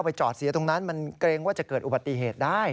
จอดเสียตรงนั้นมันเกรงว่าจะเกิดอุบัติเหตุได้